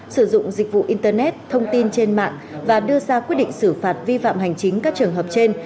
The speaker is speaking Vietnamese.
sử dụng dịch vụ internet thông tin trên mạng và đưa ra quyết định xử phạt vi phạm hành chính các trường hợp trên